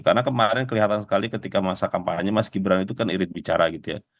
karena kemarin kelihatan sekali ketika masa kampanye mas gibran itu kan irit bicara gitu ya